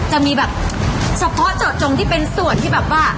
จะมีแบบเฉพาะเจาะจงที่เป็นส่วนที่แบบว่า